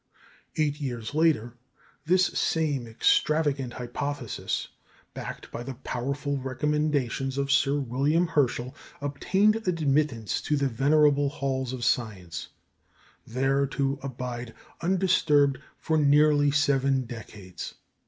Eight years later, this same "extravagant hypothesis," backed by the powerful recommendation of Sir William Herschel, obtained admittance to the venerable halls of science, there to abide undisturbed for nearly seven decades.